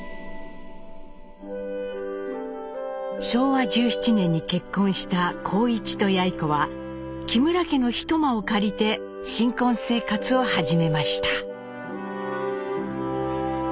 昭和１７年に結婚した幸一とやい子は木村家の一間を借りて新婚生活を始めました。